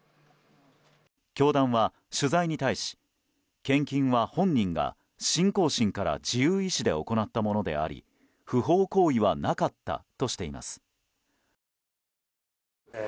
教団は取材に対し献金は、本人が信仰心から自由意思で行ったものであり不法行為はなかったとしています。